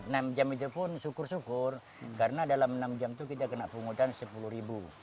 enam jam itu pun syukur syukur karena dalam enam jam itu kita kena penghutang sepuluh ribu